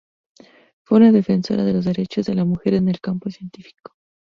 Fue una defensora de los derechos de la mujer en el campo científico.